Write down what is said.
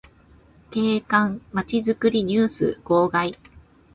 景観まちづくりニュース号外